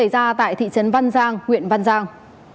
ra tại thị trấn văn giang huyện văn giang